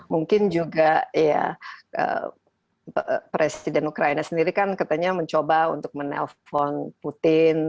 mungkin juga ya presiden ukraina sendiri kan katanya mencoba untuk menelpon putin